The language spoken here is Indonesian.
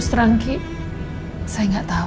kalau sampai mbak andi tahu